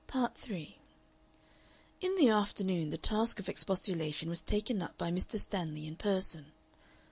Part 3 In the afternoon the task of expostulation was taken up by Mr. Stanley in person.